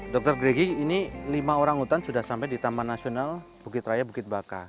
dr gregi ini lima orang utan sudah sampai di taman nasional bukit raya bukit baka